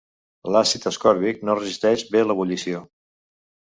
L'àcid ascòrbic no resisteix bé l'ebullició.